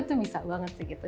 itu bisa banget sih gitu